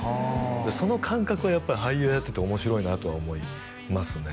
その感覚はやっぱり俳優やってて面白いなとは思いますね